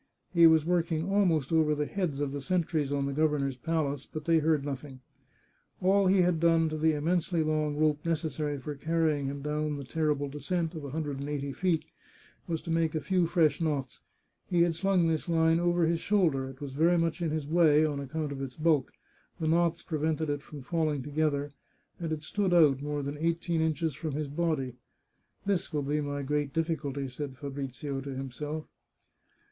He was working almost over the heads of the sentries on the governor's pal ace, but they heard nothing. All he had done to the im mensely long rope necessary for carrying him down the ter rible descent of a hundred and eighty feet was to make a few fresh knots. He had slung this line over his shoulder ; it was very much in his way, on account of its bulk ; the knots prevented it from falling together, and it stood out more than eighteen inches from his body. " This will be my great difficulty," said Fabrizio to himself.